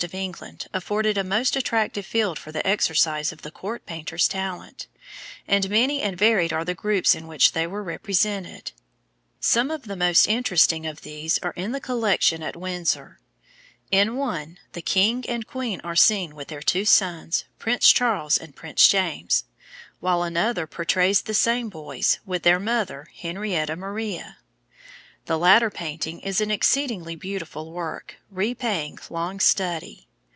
of England afforded a most attractive field for the exercise of the court painter's talent, and many and varied are the groups in which they were represented. Some of the most interesting of these are in the collection at Windsor. In one, the king and queen are seen, with their two sons, Prince Charles and Prince James; while another portrays the same boys, with their mother, Henrietta Maria. The latter painting is an exceedingly beautiful work, repaying long study.